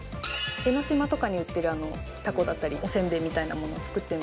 江の島とかに売ってるたこだったりおせんべいみたいなものを作ってみたりとか。